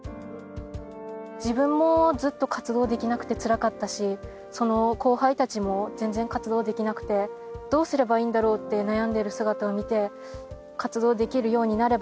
自分もずっと活動できなくてつらかったし後輩たちも全然活動できなくてどうすればいいんだろうって悩んでいる姿を見て。